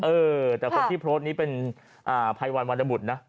เออแต่คนที่โพสต์นี้เป็นภัยวันวรรณบุตรนะ